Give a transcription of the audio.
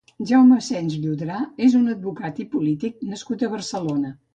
Jaume Asens Llodrà és un advocat i polític nascut a Barcelona.